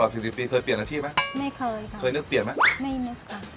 สี่สิบสี่ปีเคยเปลี่ยนอาชีพไหมไม่เคยค่ะเคยนึกเปลี่ยนไหมไม่นึกค่ะ